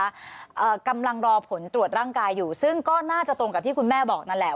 อ่ากำลังรอผลตรวจร่างกายอยู่ซึ่งก็น่าจะตรงกับที่คุณแม่บอกนั่นแหละ